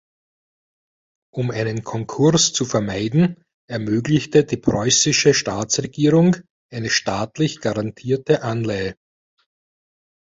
Um einen Konkurs zu vermeiden, ermöglichte die preußische Staatsregierung eine staatlich garantierte Anleihe.